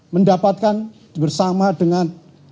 mendapatkan bersama dengan